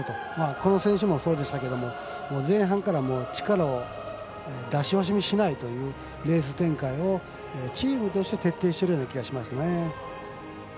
この選手もそうでしたけど前半から、力を出し惜しみしないというレース展開をチームとして徹底しているような気がします。